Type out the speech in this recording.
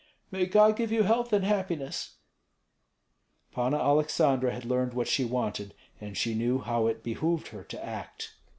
"May God give you health and happiness!" Panna Aleksandra had learned what she wanted, and she knew how it behooved her to act.